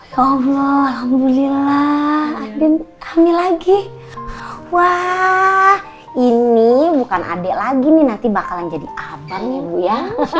allah alhamdulillah dan kami lagi wah ini bukan adik lagi nih nanti bakalan jadi abang ya bu ya